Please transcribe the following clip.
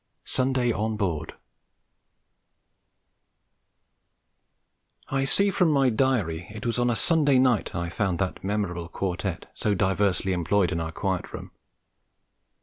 SUNDAY ON BOARD I see from my diary it was on a Sunday night I found that memorable quartette so diversely employed in our Quiet Room.